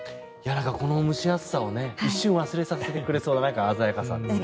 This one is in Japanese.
この蒸し暑さを一瞬忘れさせてくれそうな鮮やかです。